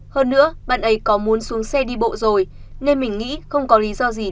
hơn nữa bạn ấy có muốn xuống xe đi bộ rồi nên mình nghĩ không có lý do gì để lừa đảo